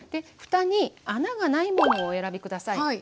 ふたに穴がないものをお選び下さい。